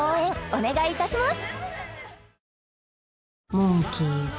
お願いいたします